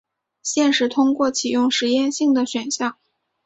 现时通过启用实验性的选项。